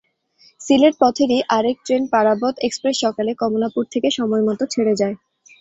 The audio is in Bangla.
সিলেট পথেরই আরেক ট্রেন পারাবত এক্সপ্রেস সকালে কমলাপুর থেকে সময়মতো ছেড়ে যায়।